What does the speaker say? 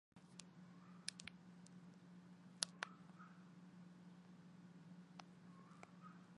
لا أستطيع أن أقول نفس الشّيء عنك.